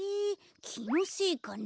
きのせいかな。